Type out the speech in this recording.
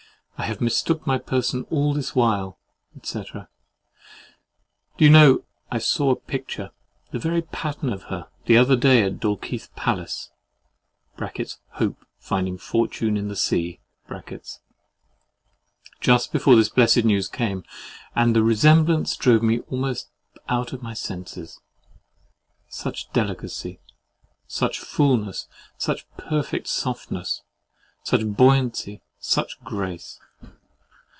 "I have mistook my person all this while," &c. Do you know I saw a picture, the very pattern of her, the other day, at Dalkeith Palace (Hope finding Fortune in the Sea), just before this blessed news came, and the resemblance drove me almost out of my senses. Such delicacy, such fulness, such perfect softness, such buoyancy, such grace!